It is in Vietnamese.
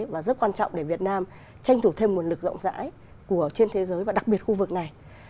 và rất quan trọng để việt nam tranh thủ thêm nguồn lực rộng rãi của trên thế giới và đặc biệt khu vực này